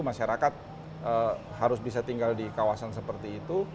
masyarakat harus bisa tinggal di kawasan seperti itu